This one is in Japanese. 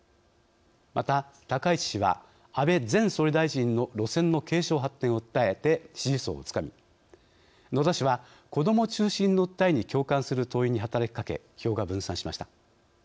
また高市氏は安倍前総理大臣の路線の継承・発展を訴えて支持層をつかみ野田氏は子ども中心の訴えに共感する党員に働きかけ票が分散しました。